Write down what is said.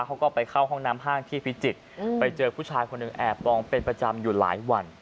เขาก็ไปเข้าห้องน้ำห้างที่พิจิตรไปเจอผู้ชายคนหนึ่งแอบลองเป็นประจำอยู่หลายวัน